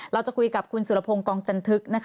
เราจะคุยกับคุณสุรพงศ์กองจันทึกนะคะ